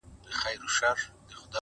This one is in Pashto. پردى تخت نن كه سبا وي د پردو دئ!!!!!